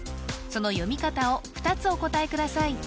その読み方を２つお答えください